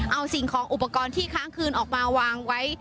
เอาสิ่งของอุปกรณ์ที่ค้างคืนออกมาวางไว้